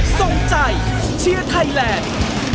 ส่งใจเชียร์ไทยแลนด์